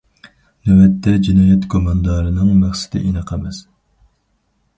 نۆۋەتتە، جىنايەت گۇماندارىنىڭ مەقسىتى ئېنىق ئەمەس.